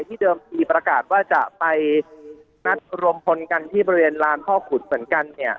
เดิมทีประกาศว่าจะไปนัดรวมพลกันที่บริเวณลานพ่อขุดเหมือนกัน